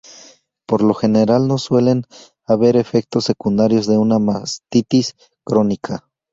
Por lo general no suelen haber efectos secundarios de una mastitis crónica.